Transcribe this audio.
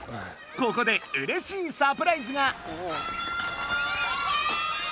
ここでうれしいサプライズが。